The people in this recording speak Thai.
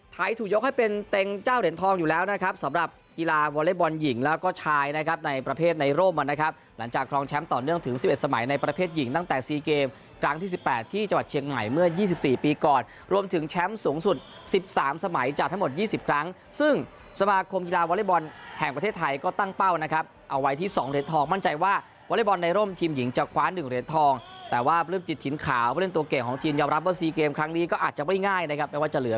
ไทยถูกยกให้เป็นเต็งเจ้าเหรียญทองอยู่แล้วนะครับสำหรับกีฬาวอเล็ตบอลหญิงแล้วก็ชายนะครับในประเภทไนโรมนะครับหลังจากครองแชมป์ต่อเนื่องถึงสิบเอ็ดสมัยในประเภทหญิงตั้งแต่ซีเกมครั้งที่สิบแปดที่จังหวัดเชียงไหนเมื่อยี่สิบสี่ปีก่อนรวมถึงแชมป์สูงสุดสิบสามสมัยจากทั้งหมดยี่ส